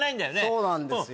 そうなんですよ。